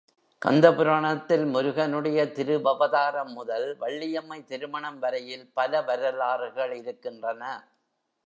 கந்த புராணத்தில் முருகனுடைய திருவவதாரம் முதல், வள்ளியம்மை திருமணம் வரையில் பல வரலாறுகள் இருக்கின்றன.